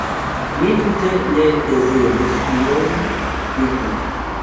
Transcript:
Mi tute ne dezirus ion vidi!